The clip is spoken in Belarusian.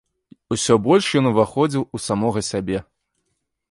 Усё больш ён уваходзіў у самога сябе.